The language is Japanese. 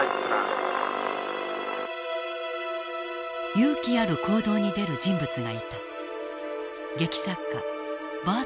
勇気ある行動に出る人物がいた。